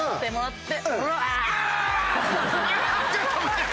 って。